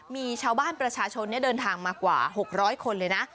มีชาวบ้านประชาชนเดินทางมากว่า๖๐๐คนเลยนะ